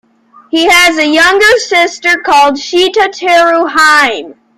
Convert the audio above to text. He has a younger sister called Shita-Teru-Hime.